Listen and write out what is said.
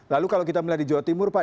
lalu kalau kita melihat di jawa timur pak